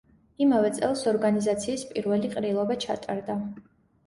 იმავე წელს ორგანიზაციის პირველი ყრილობა ჩატარდა.